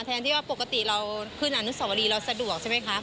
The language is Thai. แทนที่ว่าปกติเราขึ้นอนุสวรีเราสะดวกใช่ไหมคะ